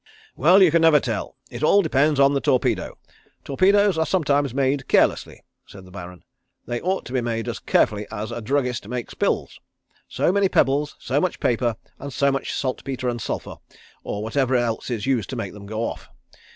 "Well, you can never tell. It all depends on the torpedo. Torpedoes are sometimes made carelessly," said the Baron. "They ought to be made as carefully as a druggist makes pills. So many pebbles, so much paper, and so much saltpeter and sulphur, or whatever else is used to make them go off.